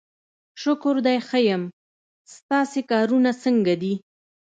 شکر دی ښه یم، ستاسې کارونه څنګه دي؟